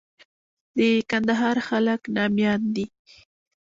د کندهار خلک ناميان دي.